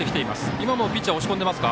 今もピッチャー押し込んでいますか？